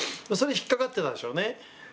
それ、引っ掛かってたんでしょうね。